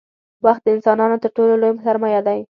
• وخت د انسانانو تر ټولو لوی سرمایه دی.